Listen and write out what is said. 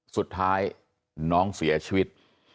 สุดท้ายน้องเสียชีวิต